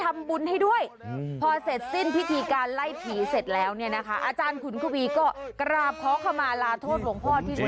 มึงยอมยังล่ะมึงยอมยัง